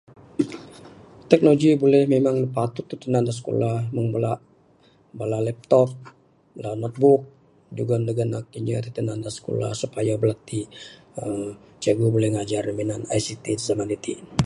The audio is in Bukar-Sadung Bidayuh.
Teknologi da buleh memang patut dog tinan da sikulah, Bala laptop, bala MacBook da jugon inya tinan da sikulah. [unintelligible] Cikgu buleh ngajar bala ne minan ICT. [unintelligible]